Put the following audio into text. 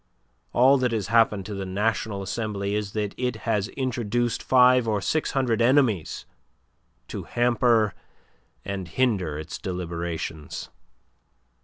All that has happened to the National Assembly is that it has introduced five or six hundred enemies to hamper and hinder its deliberations.